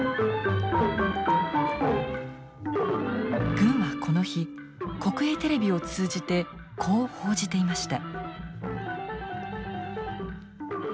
軍はこの日国営テレビを通じてこう報じていました。